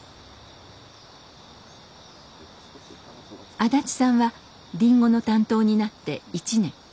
安達さんはリンゴの担当になって１年。